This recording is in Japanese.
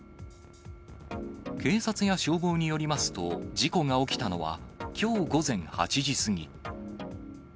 警察や消防によりますと、事故が起きたのはきょう午前８時過ぎ。